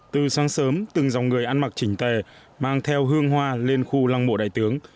từ sáng sớm từng dòng người ăn mặc chỉnh tề mang theo hương hoa lên khu lăng mộ đại tướng